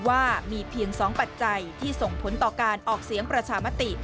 ว่ามีเพียง๒ปัจจัยที่ส่งผลต่อการออกเสียงประชามติ